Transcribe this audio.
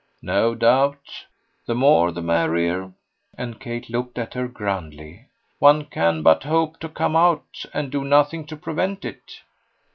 "No doubt. The more the merrier." And Kate looked at her grandly. "One can but hope to come out, and do nothing to prevent it."